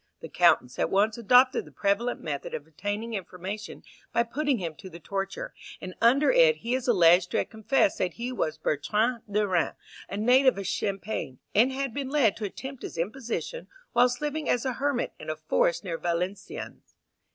The Countess at once adopted the prevalent method of obtaining information by putting him to the torture, and under it he is alleged to have confessed that he was Bertrand de Rans, a native of Champagne, and had been led to attempt his imposition whilst living as a hermit in a forest near Valenciennes.